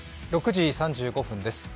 ６時３５分です。